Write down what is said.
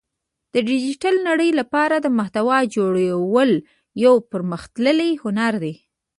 د ډیجیټل نړۍ لپاره د محتوا جوړول یو پرمختللی هنر دی